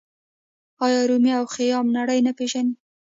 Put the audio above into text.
آیا رومي او خیام نړۍ نه پیژني؟